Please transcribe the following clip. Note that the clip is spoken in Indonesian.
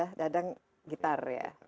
ya dadang gitar ya